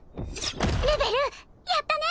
ルベルやったね！